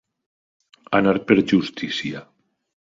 Anar per justícia.